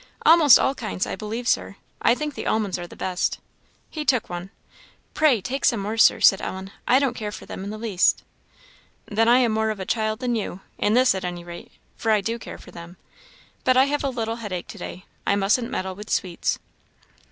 "Almost all kinds, I believe, Sir I think the almonds are the best." He took one. "Pray, take some more, Sir," said Ellen "I don't care for them in the least." "Then I am more of a child than you in this, at any rate for I do care for them. But I have a little headache to day; I mustn't meddle with sweets."